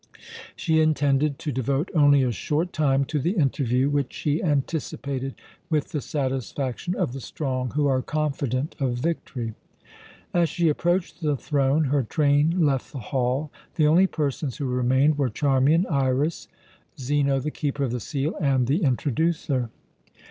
She intended to devote only a short time to the interview, which she anticipated with the satisfaction of the strong who are confident of victory. As she approached the throne, her train left the hall; the only persons who remained were Charmian, Iras, Zeno, the Keeper of the Seal, and the "introducer."